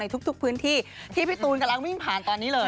ทุกพื้นที่ที่พี่ตูนกำลังวิ่งผ่านตอนนี้เลย